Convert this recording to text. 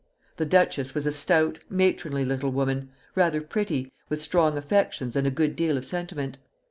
The duchess was a stout, matronly little woman, rather pretty, with strong affections and a good deal of sentiment.